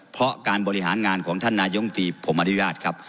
เพราะการบริหารงานของท่านนายมตรีผมอนุญาตครับ